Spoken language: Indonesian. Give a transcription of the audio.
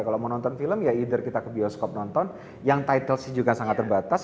kalau mau nonton film ya either kita ke bioskop nonton yang titles juga sangat terbatas